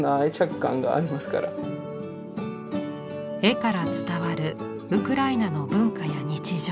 絵から伝わるウクライナの文化や日常。